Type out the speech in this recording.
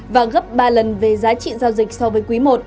và gấp ba lần về giá trị giao dịch so với quý i